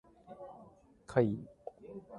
怪異